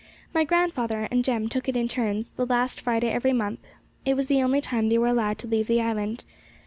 My grandfather and Jem took it in turns, the last Friday in every month; it was the only time they were allowed to leave the island.